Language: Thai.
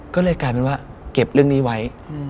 ก็เลยกลายเป็นว่าเก็บเรื่องนี้ไว้